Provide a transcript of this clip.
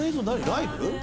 ライブ？